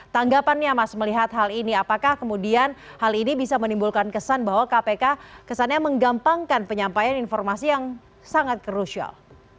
tanggapannya mas melihat hal ini apakah kemudian hal ini bisa menimbulkan kesan bahwa kpk kesannya menggampangkan penyampaian informasi yang sangat krusial